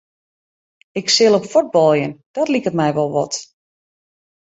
Ik sil op fuotbaljen, dat liket my wol wat.